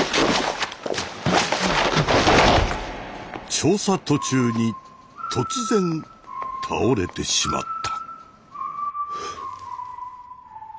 調査途中に突然倒れてしまった。